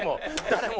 誰も。